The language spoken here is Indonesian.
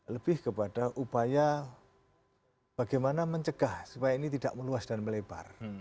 lebih kepada upaya bagaimana mencegah supaya ini tidak meluas dan melebar